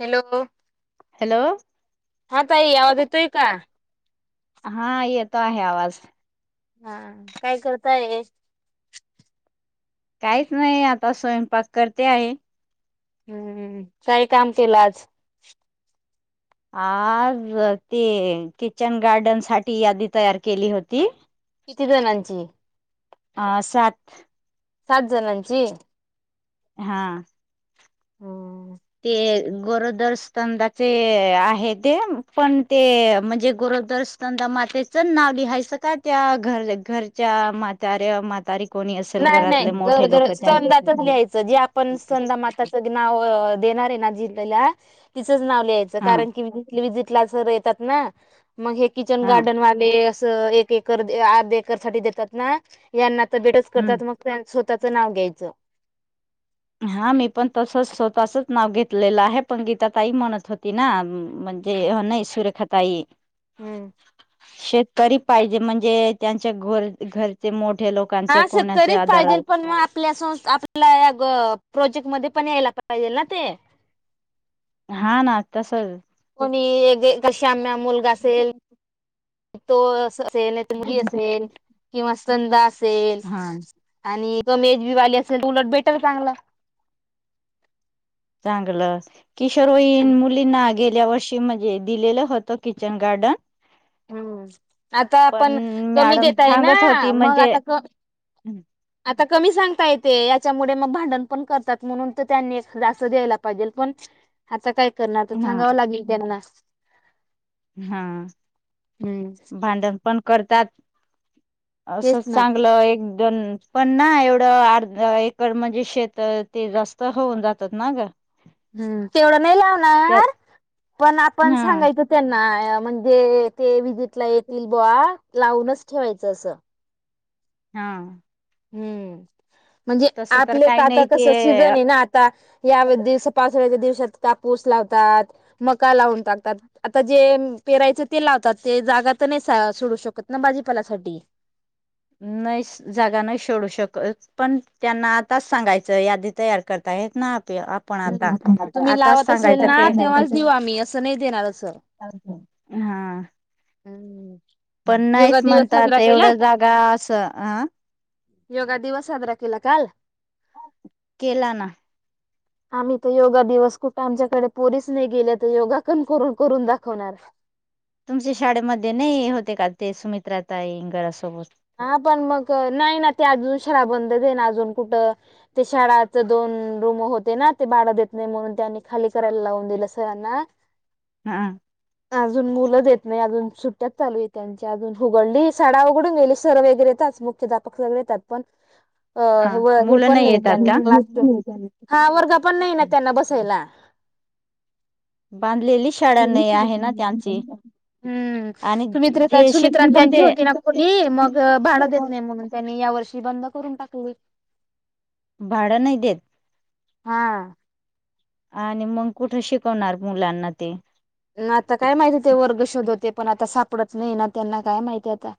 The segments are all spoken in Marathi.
हॅलो हॅलो हा ताई आवाज येतोय का हा येतो आहे आवाज हा काय करताय काहीच नाही आता स्वयंपाक करते आहे हम्म काही काम केलं आज आज ते किचन गार्डन साठी यादी तयार केली होती किती जणांची अ सात सात जणांची हा हम ते गरोदर स्तंदाचे आहे ते पण ते म्हणजे गुरु स्दंदा मातेचं नाव लिहायचं का त्या घर घरच्या म्हाताऱ्या म्हातारी कोणी असेल नाही नाही घरातले घर मोठे लोक जरं त्यां स्दंदाच लिहायचं जे आपण स्दंदा माताचं नाव देणार आहे ना ज तिचच नाव लिहायचं हा कारण की विझिट ला सर येतात ना, मग हे किचन हा गार्डनवाले असं एक एकर आठ एकर साठी देतात ना यांना तर बेटच हम्म करतात मग त्यां स्वतःच नाव घ्यायचं. हा मी पण तसच स्वतःचच नाव घेतलेलं आहे पण गीता ताई म्हणत होती ना म्हणजे नाही सुरेखाताई हम्म शेतकरी पाहिजे म्हणजे त्यांच्या घर घरचे मोठ हा शेतकरीच पाहिजे पण मग आपल्या सं आपल्या प्रोजेक्ट मध्ये पण यायला पाहिजे ना ते, हा ना तसच मी एक श्याम मुलगा असेल तो, असेल तुडी असेल किंवा संंदा असेल हा आणि [inaudible] कमे येज वाली असेल उलट बेटर चांगलं चांगलं किशोरवईन मुलींना गे गेल्या वर्षी म्हणजे दिलेलं होत किचन गार्डन हम्म आता पण आपण कमी मॅडम देताय ना सांगत होती म्हणजे, हम् ता कमी सांगता येते याच्यामुळे मग भांडण पण करतात म्हणून तर त्यांनी एखादा असं द्यायला पाहिजे पण आता काय करणार तर हा सांगाव लागेल त्यांना, हा हम्म, भांडण पण करतात अस तेच ना चांगलं एक दोन, पण ना एवढं अर्ध एकर म्हणजे शेत ते जास्त होऊन जातात ना ग हम् तेवढं नाही त्यात लावणार पण आपण हा सांगायच त्यांना म्हणजे ते विजेतला येतील बवा लावूनच ठेवायचं असं. हा हम्म म्हणजे तसं आपले तर काही आता नाही ते कस सिजन आहे ना आता या स दिवस कापूस लावतात मका लावून टाकतात आता जे पेरायच ते लावतात. ते जागा तर नाही सोडू शकत ना भाजीपालासाठी ह नाही जागा नाही सोडू शकत पण त्यांना आताच सांगायचं यादी तयार करता आहेत ना, आपण आता तुम्ही आताच लावत असेल सांगायचं ना ते तेव्हाच देऊ आम्ही असं नाही देणार अस हा हम् पण नाहीच म्हणतता येवढ्या जागा असं ह. योगा दिवस साजरा केला काल. केला ना, आम्ही तर योगा दिवस कुठे आमच्याकडे पोरीच नाही गेले तर योगा कोण करून करून दाखवणार. तुमचे शाळेमध्ये नाही होते का ते सुमित्रा ताईंगरासोबत हा पण मग नाही ना ते अजून शाळा बंदच आहेना अजून कुठं ते शाळाच दोन रूम होते ना ते भाड देत नाही म्हणून त्यांनी खाली करायला लावून दिलं सरांना हा अजून मुलं देत नाही अजून सुट्ट्यात चालू आहे त्यांच्या अजून हुगडली शाळा उघडून गेली. सर वगैरे [inaudible] मुख्याध्यापक सगळे येतात पण. अ हा हे व हे मुलं पण नाही येतात त्यांना का? क्लासच हा वर्ग पण नाही ना त्यांना बसायला. बांधलेली शाळा हम्म नाही आहे ना त्यांची आणि सुमित्र तर जे सुमित्रा शिकून होते त्यांची होती ना खोली मग भाड देत नाही म्हणून त्यांनी या वर्षी बंद करून टाकली. भाडं नाही देत. हा! आणि मग कुठे शिकवणार मुलांना ते? मग आता काय माहिती ते वर्ग शोध होते पण आता सापडत नाही ना त्यांना काय माहिती आता.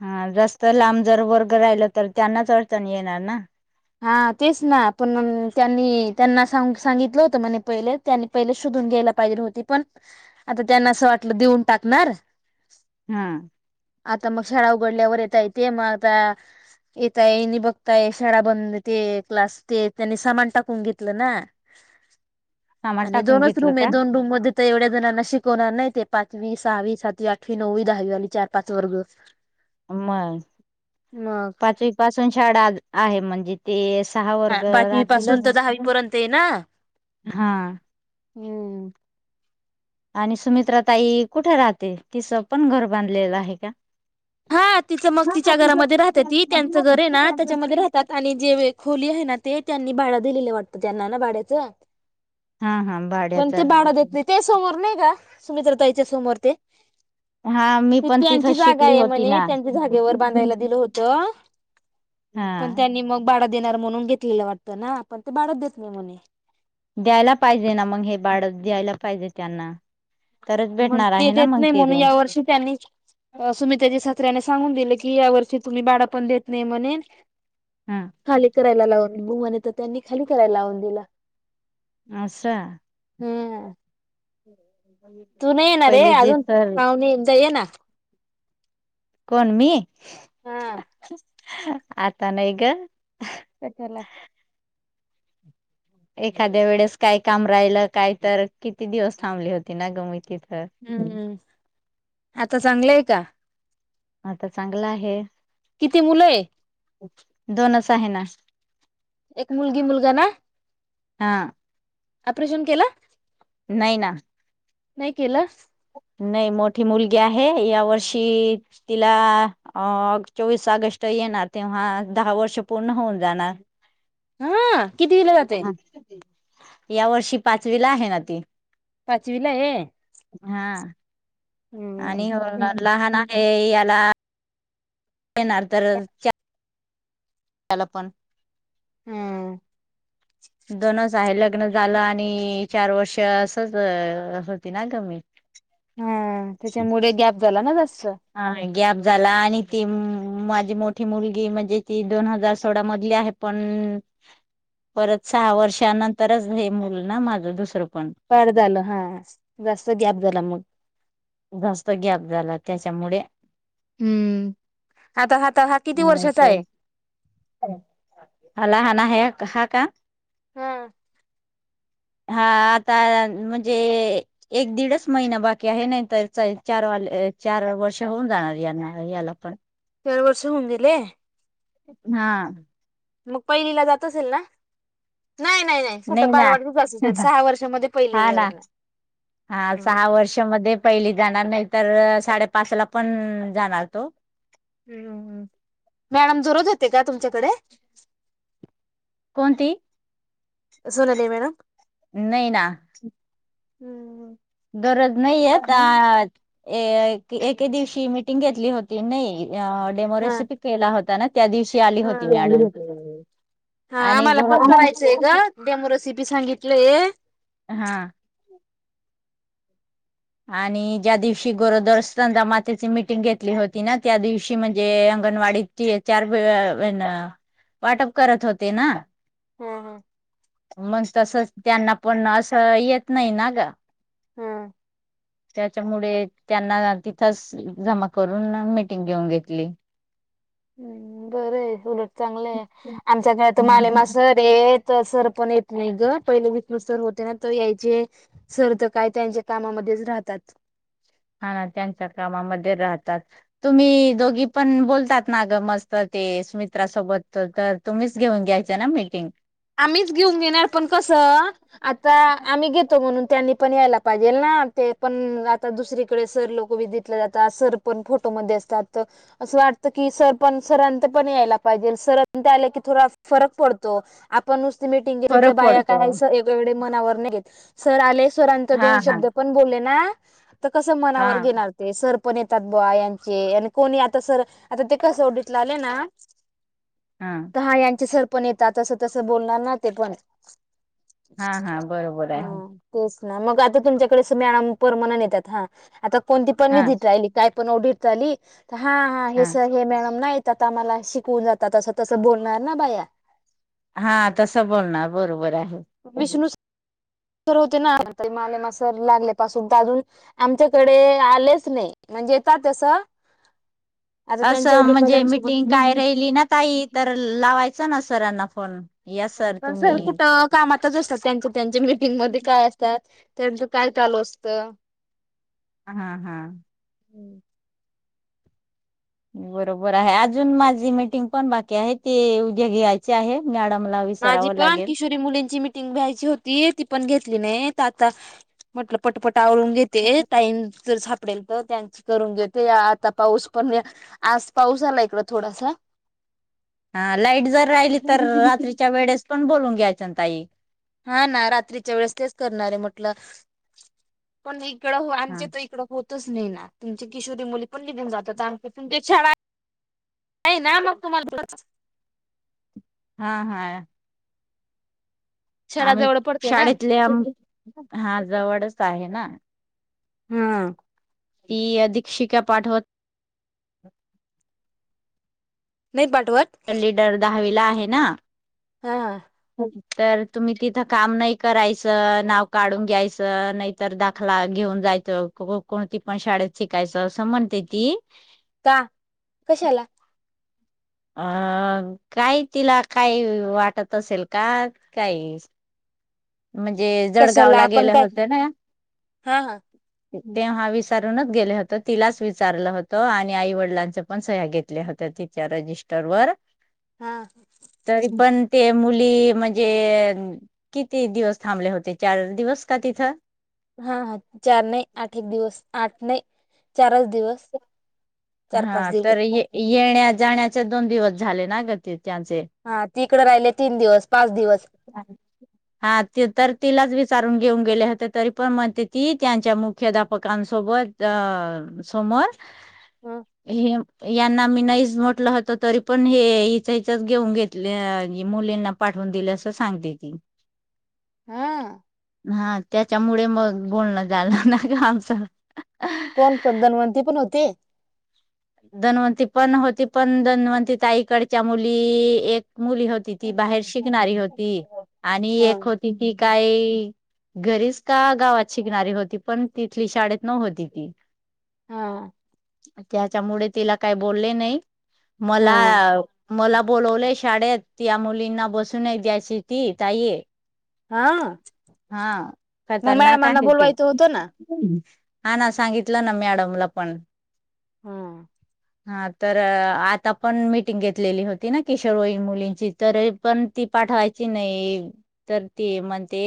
हा रस्ता लांब जर वर्ग राहिल तर त्यांनाच अडचण येणार ना. हा तेच ना पण त्यांनी त्यांना सां सांगितलं होतं म्हणे पहिले त्यांनी पहिले शोधून घ्यायला पाहिजे पण आता त्यांना अस वाटल देऊन टाकणार हम्म! आता मग शाळा उघडल्यावर येता येते. मग आता येताय नि बघताय शाळा बंद ते क्लास ते त्यांनी सामान टाकून घेतलं ना. [inaudible] सामान आणि टाकून दोनच घेतलं रूम आहे का दोन रूम मध्ये तर एवढ्या जणांना शिकवणार नाही. ते पाचवी, सहावी, सातवी, आठवी, नववी, दहावी वाली चार, पाच वर्ग. मग मग पाचवी पासून शाळा आहे म्हणजे ते सहा ह वर्ग पाचवी पासून राहतीलच तर दहावी पर्यंत ये ना. हा हम्म! आणि सुमित्रा ताई कुठे राहते तिचं पण घर बांधलेलं आहे का? हा! तीच मग ना ना तिच्या घरामध्ये राहत्याती त्यांचं घर आहे ना त्याच्यामध्ये तिथं राहतात आणि जे खोली आहे ना ते त्यांनी भाड दिलेलं वाटतं त्यांना ना भाड्याचं हा हा पण भाड्याच ते भाडा देत नाही त्या समोर नाही का सुमित्रतााईच्या समोर ते हा मी पण तिथं शिकली होती. हो ना त्यांच्या जागेवर बांधायला दिलं होतं हा पण मग त्यांनी भाडं देणार म्हणून घेतलेलं वाटत ना आपण ते भाडंच देत नाही म्हणे. द्यायला पाहिजे ना मग हे भाडं द्यायला पाहिजे त्यांना. तरच मग भेटणार ते आहे ना देत मग नाही ते म्हणून रूम या वर्षी त्यांनी सुमित्राच्या सासऱ्याने सांगून दिले की की या वर्षी तुम्ही भाड पण देत नाही म्हणून हा खाली करा लाव म्हणे तर त्यांनी खाली करायला लावून दिला. असं. हम्म! तु नाही येणार आहे पहिले जे अजून सर पावणी एकदा ये ना. कोण मी? हा! आता नाही ग. कशाला? एखाद्या वेळेस काय काम राहिलं काय तर किती दिवस थांबली होती ना गं मी तिथ. हम्मम्! आता चांगलंय का? आता चांगला आहे. किती मुले? दोनच आहे ना. एक मुलगी मुलगा ना. हा. ऑपरेशन केला? नाही ना. नाही केला? नाही मोठी मुलगी आहे या वर्षी तिला चोवीस ऑगस्ट येणार तेव्हा दहा वर्ष पूर्ण होऊन जाणार हह किती दिला जात ते या वर्षी पाचवी ला आहे ना ती पाचवीला आहे हा हम्म आणि लहान आहे याला येणार तर चलपण हम्म दोनच आहे लग्न झालं आणि चार वर्ष असच होती ना कमी. हा त्याच्यामुळे गॅप झाला ना जास्त. हा ह गॅप झाला आणि ती माझी मोठी मुलगी म्हणजे ती दोन हजार सोळा मधली आहे. पण ह् परत सहा वर्षानंतरच हे मुल ना माझं दुसरं. पण पड झालं हा जास्त गॅप झाला मग. जास्त गॅप झाला त्याच्यामुळे. हम्म आता आता हा किती वर्षाचा आहे? अला हणा आहे हा का? हम्म हा आता म्हणजे एक दीडच महिना बाकी आहे ना. तर चार वा चार वर्ष होऊन जाणार याना याला पण. चार वर्ष होऊन गेले हां मग पहिलीला जात असेल ना? नाही नाही नाही कुठं बालवाडचे सहा वर्षामध्ये हा पहिलीला. ना हा हम्म सहा वर्षा मध्ये पहिली जाणार नाही तर साडेपाच ला पण जाणार तो. हम्म मॅडम जरोज येते का तुमच्याकडे? कोणती? सुनले मॅडम. नाही ना. हम्म दररोज नाही येत आ ए एके दिवशी मिटिंग घेतली होती नाही हा डेमोरेसिपिक केला होता ना. त्या दिवशी आली हा होती मॅडम. हा आणि आम्हाला गो पण करायचंय ग डेमोरेसिपी सांगितलंय. हां आणि ज्या दिवशी गोरोदर असना मातेची मिटिंग घेतली होती ना त्या दिवशी म्हणजे अंगणवाडी चार वाटप करत होते ना. हम् हम मग तस त्यांना पण असं येत नाही ना ग. हा त्याच्यामुळे त्यांना तिथंच जमा करून मीटिंग घेऊन घेतली. हम्म बरं उलट चांगलंय आमच्या घरात माले मा हा सर हेेत सर पण येत नाही ग. पहिले विष्णू सर होते ना तर यायचे सर तर काय त्यांच्या कामामध्येच राहतात. हा ना त्यांच्या कामामध्ये राहतात तुम्ही दोघी पण बोलतात ना ग मस् तर ते स्मित्रासोबत तर तुम्हीच घेऊन घ्यायच ना मीटिंग. आम्हीच घेऊन घेणार पण कसं आता आम्ही घेतो म्हणून त्यांनी पण यायला पाहिजे ना ते पण आता दुसरीकडे सर लोक बी दिेतलं जात. सर पण फोटो [unintelligible] अस वाटत की सर पण सर पण यायला पाहिजे सर आ की थोड. फरक पडतो. आपण नुसती मिटिंग गेली तर फरक बाया पडतो काय सवढे मनावर नाही घेत. सर आले सरांचे हा दो हा शब्द पण बोलले ना कसं हा मनावर घेणार ते. पण येतात बायांचे आणि कोणी आता सर आता ते कसं ओडीतलं आले ना. तर हा यांचे सरपण येत तस तसं बोलणार ना ते पण. हा हा बरोबर हा आहे तेच म मग आता तुमच्याकडे मॅडम परमनंट येतात हा आता कोणती पण हा व्हीजीट राहिली काय पण ओडर त आली त हा हा हे सर हे मॅडम नाईत. आता मला शिकवून जातात तसं तसं बोलणार ना बाया हा तस बोलणार बरोबर आहे. विष्णु सर होते ना माले मासर लागल्या पासून तर अजून आमच्याकडे आलेच नाय. म्हणजे येतात तसं [inaudible] आता त्यांच्या असं म्हणजे मीटिंग ऑडिटवाल्यांसोबत काय राहिली ना ताई तर लावायचं ना सरांना फोन या पण सर तुम्ही कुठं कामातच असतात त्यां त्यांच्या मीटिंगमध्ये काय असत्यात. त्यांचं काय चालू असत. हा हा बरोबर आहे. अजून माझी मीटिंग पण बाकी आहे. ते उद्या घ्यायचे आहे. मॅडम माझी पण किशोरी मुलींची मिटिंग भ्यायची होती. ती पण घेतली नाय. आता म्हटलं पटपट आवरून घेते टाईम जर झा सापडेल प त्यांची करून घेते आता पाऊस पण आज पाऊस आला इकड थोडासा हा लाईट जर राहिली तर रात्रीच्या वेळेस पण बोलून घ्यायचन ताई हा ना रात्रीच्या वेळेस तेच करणार आहे म्हटलं पण इ इकड त हा आमच्या त इकंड होत च नही ना तुमचे किशोरी मुली पण निघून जातात. आणि तुमच्यात शाळा हाय ना मग तुम्हाला [unintelligible] हा हाआया शाळा आम्ही जवळ पडते ना शाडेतले आम हा जवडच आहे ना हा की दिक्क्षिका पाठवत नाहीत बाट लीडर दहावीला आहे ना हा हा तर तुम्ही तिथं काम नाही करायचं नाव काढून घ्यायचं नाय तर दाखला घेऊ ण जायचं को कोणती पण शाडेत शिकायचं असं म्हणते ती का कशाला? अ काय तिला काय वाटत असेल का काई म्हणजे कशाला जडगावला आपण गेले काय होते ना हा हा तेव्हा विसारूनच गेले होत. तिलाच विचारलं होतं. आणि आई वडिलांचे पण सह्या घेतल्या होत्या तिच्या रजिस्टर वर हा तरी पण ते मुली म्हणजे किती दिवस थांबले होते. चार दिवस का तिथं हा हा चार नाई आठ एक दिवस आठ नाई चारच दिवस चार पाच हा दिवस तर ये येण्या जाण्याचे दोन दिवस झाले ना ग ते त्यांचे तिकडे राहिले तीन दिवस पाच दिवस हा तर तिलाच वि सारून घेऊन गेले होते. तरी पण म्हणते ती त्यांच्या मुख्याध्यापकांसोबत अ समोर ह हे- यांना मी नाहीच म्हटलं होत. तरी पण हे हिच हिचच घेऊन घेतले मुलींना पाठवून दिल अस सांगते ती हा हा त्याच्यामुळे मग बोलण झालं ना का आमचं कोण कोण धन्वंती पण होती. धन्वंती पण होती. पण धन्वंती ताईकडच्या मुली एक मुली होती ती बाहेर शिकणारी होती आणि हा एक होती ती काही घरीच का गावात शिकणारी होती पण तिथली शाळेत न होती ती. हा. त्याच्यामुळे तिला काही बोलले नाही मला हा मला बोलवले शाळेत या मुलींना बसूनही द्यायची ती ताई हा हा मग खतरनाक मॅडमांना आहे ती. बोलवायचं होतं ना. हा ना सांगितलं ना मॅडमला पण. हा. हा तर आता पण मीटिंग घेतलेली होती ना किशोर वईन मुलींची तरी पण ती पाठवायची नाही तर ते म्हणते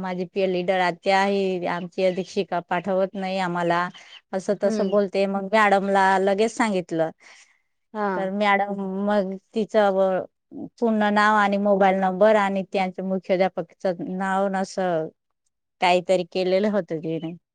माझे पेलीडर आत्या आहे. आमची दीक्षिका पाठवत नाही आम्हाला. असं तसं हम्म बोलते मग मॅडमला लगेच सांगितलं हा. तर मॅडम. मग तिचं पूर्ण नाव आणि मोबाईल नंबर आणि त्यांचे मुख्याध्यापक नावन असं काहीतरी केलेलं होतं तिने